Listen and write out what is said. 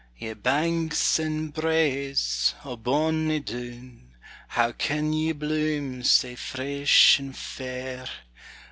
Ye banks and braes o' bonnie Doon, How can ye bloom sae fresh and fair?